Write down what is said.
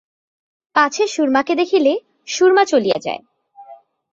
পাছে সুরমাকে দেখিলে সুরমা চলিয়া যায়।